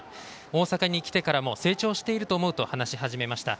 大坂に来てからも成長していると思うと話し始めました。